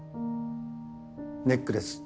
ネックレス